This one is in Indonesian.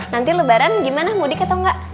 nanti lebaran gimana mudik atau enggak